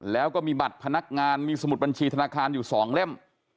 แล้วก็มีบัตรพนักงานมีสมุดบัญชีธนาคารอยู่๒เล่ม